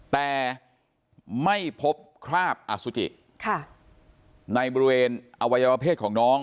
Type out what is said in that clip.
แต่ไม่พบคราบอสุจิในบริเวณอวัยวะเพศของน้อง